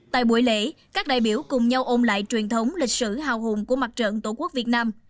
tại buổi lễ các đại biểu cùng nhau ôm lại truyền thống lịch sử hào hùng của mặt trận tổ quốc việt nam